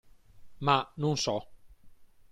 Ma, non so.